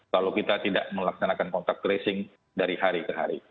kalau kita tidak melaksanakan kontak tracing dari hari ke hari